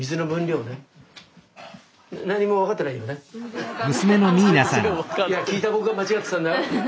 いや聞いた僕が間違ってたんだよ。